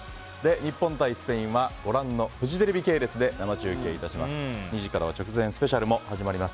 日本対スペインはご覧のフジテレビ系列で生中継いたします。